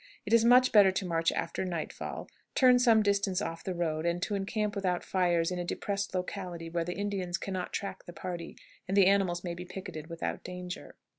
It is much better to march after nightfall, turn some distance off the road, and to encamp without fires in a depressed locality where the Indians can not track the party, and the animals may be picketed without danger.